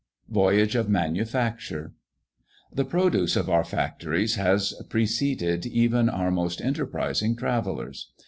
VOYAGE OF MANUFACTURE. The produce of our factories has preceded even our most enterprising travellers.